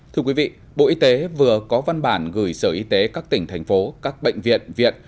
thưa quý vị bộ y tế vừa có văn bản gửi sở y tế các tỉnh thành phố các bệnh viện viện